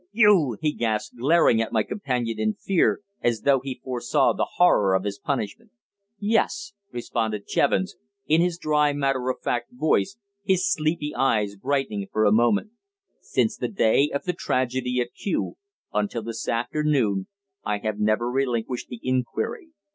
"You!" he gasped, glaring at my companion in fear, as though he foresaw the horror of his punishment. "Yes!" responded Jevons, in his dry, matter of fact voice, his sleepy eyes brightening for a moment. "Since the day of the tragedy at Kew until this afternoon I have never relinquished the inquiry.